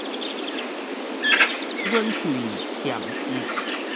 忍喙儉舌